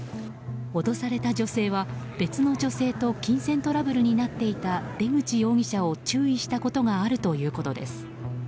脅された女性は、別の女性と金銭トラブルになっていた出口容疑者を注意したことがあるということです。